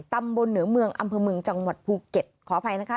ตำบลเหนือเมืองอำเภอเมืองจังหวัดภูเก็ตขออภัยนะคะ